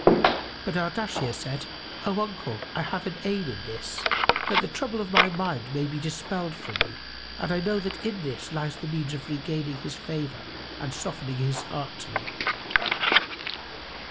But Ardashir said, "O uncle, I have an aim in this, that the trouble of my mind may be dispelled from me and I know that in this lies the means of regaining his favour and softening his heart to me."